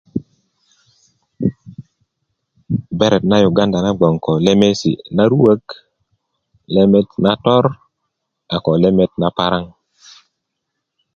beret na uganda na bgoŋ ko lemesi naruök lemet nator a ko lemet na paraŋ